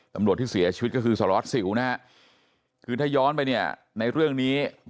ตำรวจที่เสียชีวิตก็คือสารวัสสิวนะฮะคือถ้าย้อนไปเนี่ยในเรื่องนี้